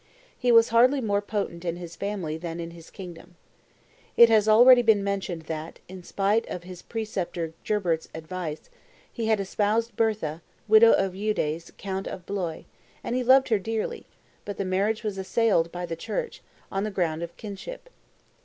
He was hardly more potent in his family than in his kingdom. It has already been mentioned that, in spite of his preceptor Gerbert's advice, he had espoused Bertha, widow of Eudes, count of Blois, and he loved her dearly; but the marriage was assailed by the Church, on the ground of kinship.